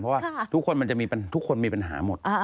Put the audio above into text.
เพราะว่าทุกคนมันจะมีทุกคนมีปัญหาหมด